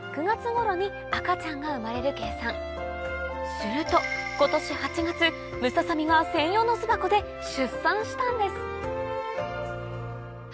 すると今年８月ムササビが専用の巣箱で出産したんです８